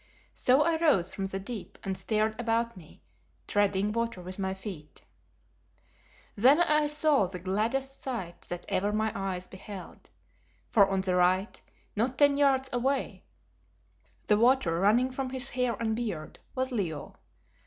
So I rose from the deep and stared about me, treading water with my feet. Then I saw the gladdest sight that ever my eyes beheld, for on the right, not ten yards away, the water running from his hair and beard, was Leo.